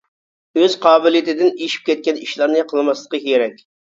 ئۆز قابىلىيىتىدىن ئېشىپ كەتكەن ئىشلارنى قىلماسلىقى كېرەك.